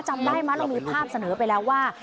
จำได้ไหมเรามีภาพเสนอไปแล้วว่า